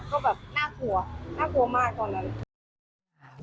ก็แบบน่ากลัวน่ากลัวมากตอนนั้น